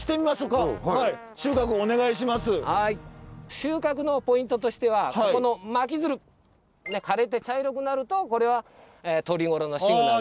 収穫のポイントとしてはこの巻きづる枯れて茶色くなるとこれはとりごろのシグナル。